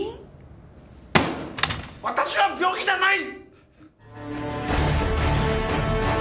わたしは病気じゃない！